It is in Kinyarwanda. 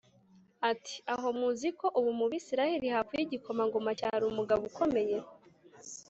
ati “Aho muzi ko ubu mu Bisirayeli hapfuye igikomangoma cyari umugabo ukomeye?